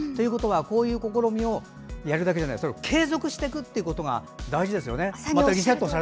こういう試みをやるだけじゃなくて継続していくということが大事ですよね。